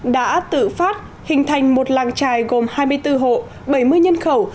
đã tự phát hình thành một làng trài gồm hai mươi bốn hộ bảy mươi nhân khẩu